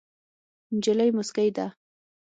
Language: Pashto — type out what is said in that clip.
نجلۍ موسکۍ ده.